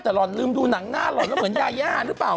แต่หล่อนลืมดูหนังหน้าหล่อนแล้วเหมือนยายาหรือเปล่า